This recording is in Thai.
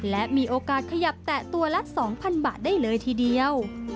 และมีโอกาสขยับแตะตัวละ๒๐๐บาทได้เลยทีเดียว